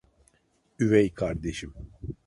Üvey kardeşim.